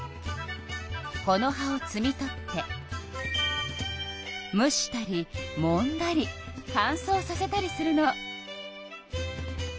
この葉をつみ取って蒸したりもんだり乾燥させたりするの。